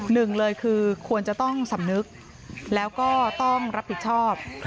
หนึ่งเลยคือควรจะต้องสำนึกแล้วก็ต้องรับผิดชอบ